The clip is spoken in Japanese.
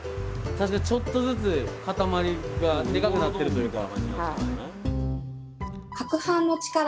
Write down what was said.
確かにちょっとずつ固まりがデカくなってるというか。